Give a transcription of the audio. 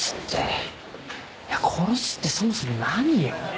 いや殺すってそもそも何よ。